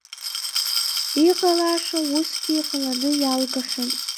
Иҟалаша усгьы иҟаланы иалгахьан.